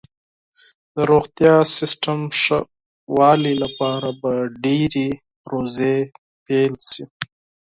د روغتیا سیستم ښه والي لپاره به ډیرې پروژې پیل شي.